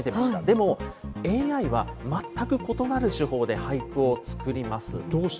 でもＡＩは、全く異なる手法で俳句を作ります。